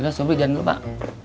ya sabri jangan lupa pak